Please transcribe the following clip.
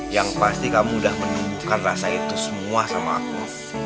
yang pasti kamu udah menumbuhkan rasa itu semua sama aku